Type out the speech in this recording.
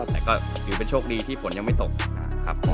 แต่ก็ถือเป็นโชคดีที่ฝนยังไม่ตกนะครับ